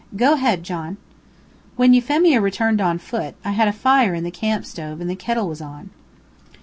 Go ahead, John." When Euphemia returned on foot, I had a fire in the camp stove and the kettle was on.